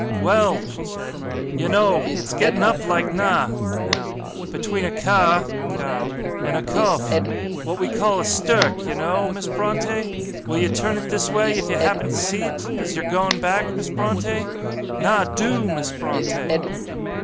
'Well!' she said, 'Yah know, it's getting up like nah (now), between a cah (cow) and a cofe what we call a stirk, yah know, Miss Brontë; will yah turn it this way if yah happen to see't, as yah're going back, Miss Brontë; nah DO, Miss Brontë.'"